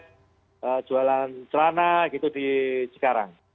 ada jualan celana gitu di cikarang